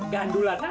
gandulan aja lo